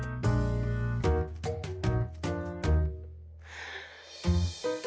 はあ。